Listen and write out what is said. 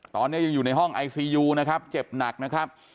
ตอนนี้ยังอยู่ในห้องไอซียูนะครับเจ็บหนักนะครับ